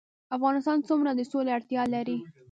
افغانستان څومره د سولې اړتیا لري؟